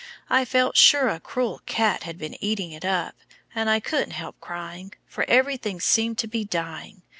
I felt sure a cruel cat had been eating it up, and I couldn't help crying, for everything seemed to be dying.